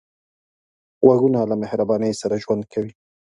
غوږونه له مهرباني سره ژوند کوي